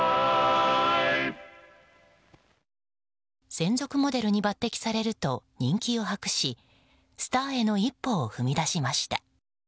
専属モデルに抜擢されると人気を博しスターへの一歩を踏み出しました。